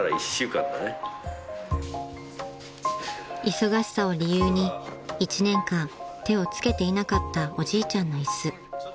［忙しさを理由に１年間手を付けていなかったおじいちゃんの椅子］